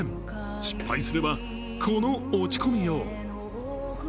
失敗すれば、この落ち込みよう。